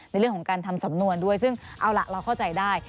ในเรื่องของการทำสำนวนด้วยซึ่งเอาล่ะเราเข้าใจได้